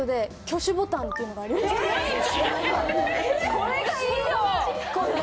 これがいいよ！